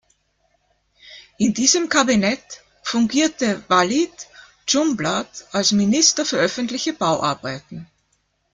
In diesem Kabinett fungierte Walid Dschumblat als Minister für öffentliche Bauarbeiten.